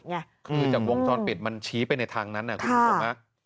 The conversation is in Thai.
คือจากวงจรปิดมันชี้ไปในทางนั้นนะครับ